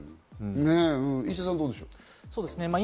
石田さん、どうでしょう。